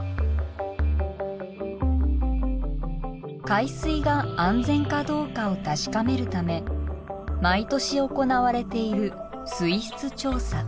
海水が安全かどうかを確かめるため毎年行われている水質調査。